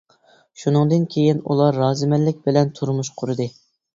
شۇنىڭدىن كېيىن ئۇلار رازىمەنلىك بىلەن تۇرمۇش قۇردى.